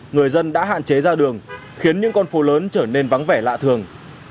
người dân đã hạn chế ra đường khiến những con phố lớn trở nên vắng vẻ lạ thường